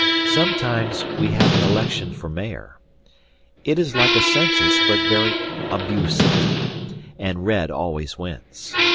Sometimes we have an election for mayor; it is like a census but very abusive, and Red always wins.